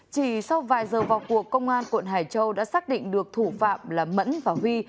chỉ sau vài giờ vào cuộc công an quận hải châu đã xác định được thủ phạm là mẫn và huy